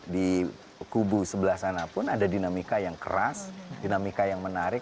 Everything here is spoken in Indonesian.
di kubu sebelah sana pun ada dinamika yang keras dinamika yang menarik